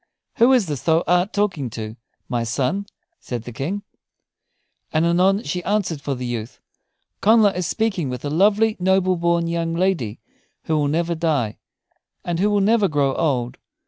"Who is this thou art talking to, my son?" said the King. And anon she answered for the youth: "Connla is speaking with a lovely, noble born young lady, who will never die, and who will never grow old.